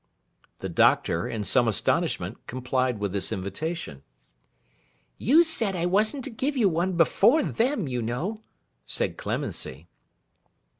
The Doctor, in some astonishment, complied with this invitation. 'You said I wasn't to give you one before them, you know,' said Clemency.